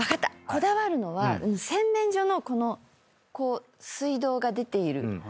こだわるのは洗面所のこう水道が出ている。